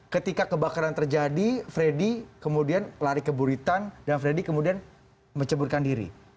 ketika kebakaran terjadi freddy kemudian lari ke buritan dan freddy kemudian menceburkan diri